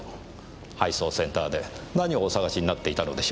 配送センターで何をお探しになっていたのでしょう？